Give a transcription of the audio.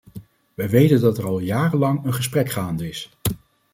Wij weten dat er al jarenlang een gesprek gaande is.